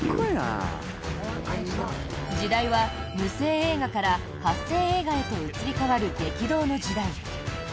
時代は、無声映画から発声映画へと移り変わる激動の時代。